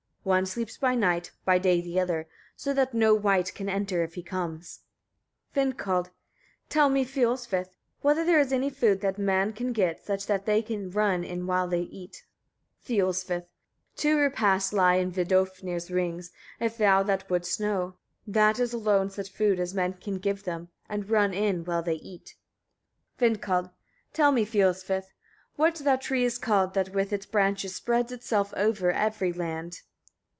One sleeps by night, by day the other, so that no wight can enter if he comes. Vindkald. 18. Tell me, Fiolsvith! etc., whether there is any food that men can get, such that they can run in while they eat? Fiolsvith. 19. Two repasts lie in Vidofnir's wings, if thou that wouldst know: that is alone such food as men can give them and run in while they eat. Vindkald. 20. Tell me, Fiolsvith! etc., what that tree is called that with its branches spreads itself over every land?